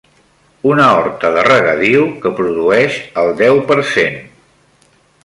Una horta de regadiu que produeix el deu per cent